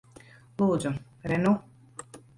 Lūdzu. Re nu.